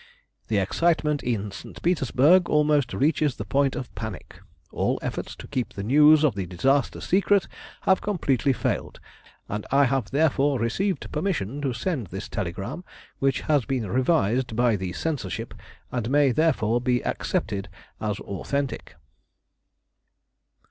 The excitement in St. Petersburg almost reaches the point of panic. All efforts to keep the news of the disaster secret have completely failed, and I have therefore received permission to send this telegram, which has been revised by the Censorship, and may therefore be accepted as authentic.